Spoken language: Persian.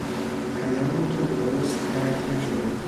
پیامی که درست درک نشده